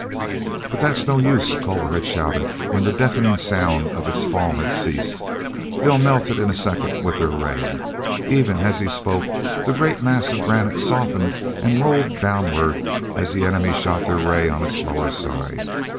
"But that's no use," Culver had shouted, when the deafening sound of its fall had ceased. "They'll melt it in a second with their ray." Even as he spoke the great mass of granite softened and rolled downward as the enemy shot their ray on its lower side.